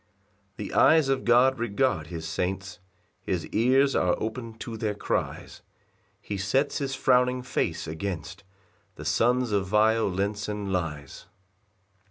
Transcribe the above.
3 The eyes of God regard his saints, His ears are open to their cries; He sets his frowning face against The sons of violence and lies.